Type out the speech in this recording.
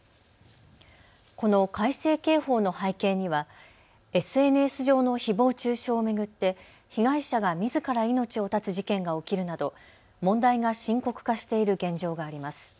この改正刑法の背景にはＳＮＳ上のひぼう中傷を巡って被害者がみずから命を絶つ事件が起きるなど問題が深刻化している現状があります。